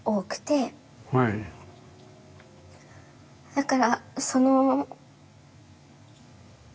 だからその。